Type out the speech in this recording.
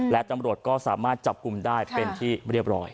และตำรวจก็สามารถจับกลุ่มได้เป็นที่เรียบร้อย